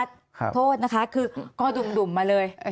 ไม่ได้นัดโทษนะคะคือก็ดุ่มมาเลย